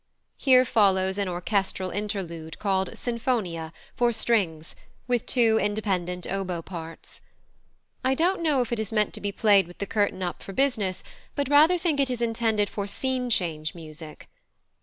Here follows an orchestral interlude, called "Sinfonia," for strings, with two independent oboe parts. I don't know if it is meant to be played with the curtain up for business, but rather think it is intended for scene change music.